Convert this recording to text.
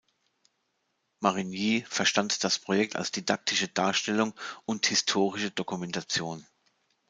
Marigny verstand das Projekt als didaktische Darstellung und historische Dokumentation.